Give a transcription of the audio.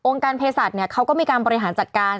การเพศสัตว์เขาก็มีการบริหารจัดการ